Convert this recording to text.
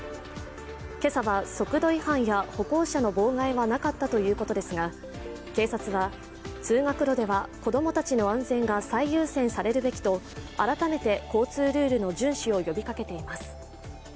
今朝は速度違反や歩行者の妨害はなかったということですが警察は、通学路では子供たちの安全が最優先されるべきと改めて交通ルールの順守を呼びかけています。